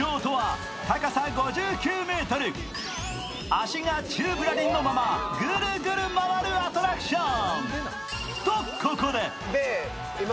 足が宙ぶらりんのままぐるぐる回るアトラクション。